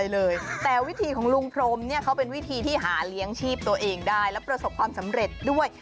แล้วมีวิธีที่หาเลี้ยงชีพตัวเองได้และประสบความสำเร็จด้วย